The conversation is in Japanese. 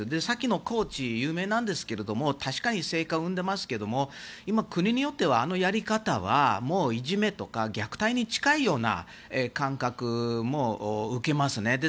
先のコーチ、有名なんですけど確かに成果を生んでますけども国によっては、あのやり方はもういじめとか虐待に近いような感覚も受けますね。